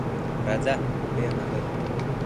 راځه، ډوډۍ اماده ده.